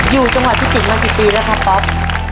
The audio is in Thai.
อยู่จังหวัดพิจิตรมากี่ปีแล้วครับป๊อป